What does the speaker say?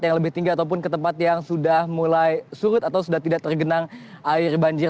yang lebih tinggi ataupun ke tempat yang sudah mulai surut atau sudah tidak tergenang air banjir